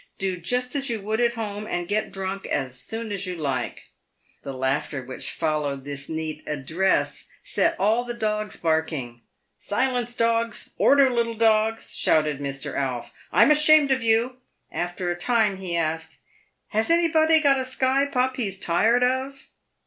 Do just as you would at home, and get drunk as soon as you like." The laughter which followed this neat address set all the dogs barking. "Silence, dogs! order, little dogs!" shouted Mr. Alf; "I'm ashamed of you !" After a time he asked, " Has anybody got a Skye pup he's tired of?"